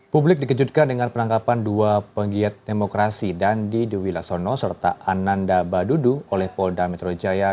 publik dikejutkan dengan penangkapan dua penggiat demokrasi dandi dewi laksono serta ananda badudu oleh polda metro jaya